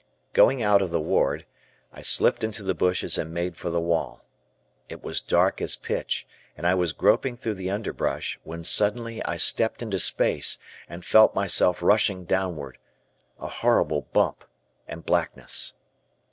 Going out of the ward, I slipped into the bushes and made for the wall. It was dark as pitch and I was groping through the underbrush, when suddenly I stepped into space and felt myself rushing downward, a horrible bump, and blackness.